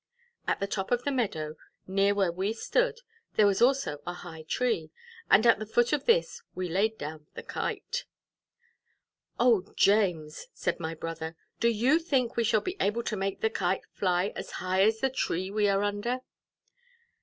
At the top of the meadow, near where we stood, there was also a high tree, and at the foot of this we laid down the Kite. "O, James," said my brother, "do you think we shall be able to make the Kite fly as high as the tree we are under?"